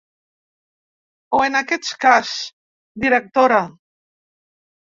O en aquest cas, directora.